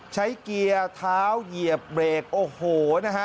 เกียร์เท้าเหยียบเบรกโอ้โหนะฮะ